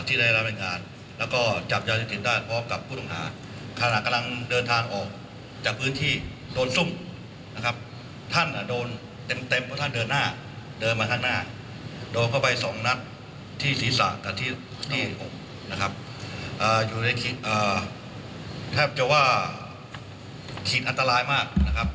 แทบจะว่าผีอันตรายมาก